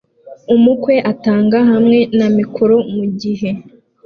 Umukwe atanga hamwe na mikoro mugihe